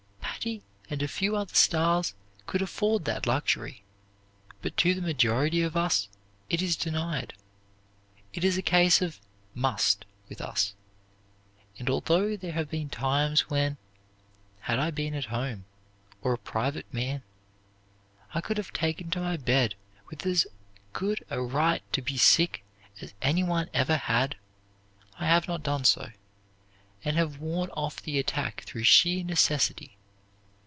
Patti and a few other stars could afford that luxury, but to the majority of us it is denied. It is a case of 'must' with us; and although there have been times when, had I been at home, or a private man, I could have taken to my bed with as good a right to be sick as any one ever had, I have not done so, and have worn off the attack through sheer necessity.